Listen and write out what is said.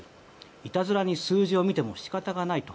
いたずらに数字を見ても仕方がないと。